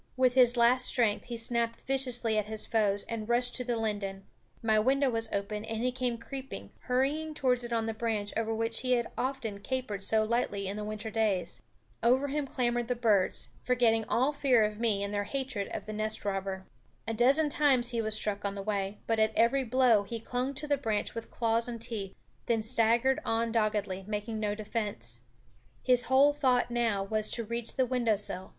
With his last strength he snapped viciously at his foes and rushed to the linden. My window was open, and he came creeping, hurrying towards it on the branch over which he had often capered so lightly in the winter days. Over him clamored the birds, forgetting all fear of me in their hatred of the nestrobber. A dozen times he was struck on the way, but at every blow he clung to the branch with claws and teeth, then staggered on doggedly, making no defense. His whole thought now was to reach the window sill.